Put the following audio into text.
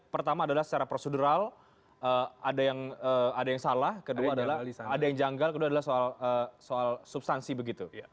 pertama adalah secara prosedural ada yang salah kedua ada yang janggal kedua adalah soal substansi begitu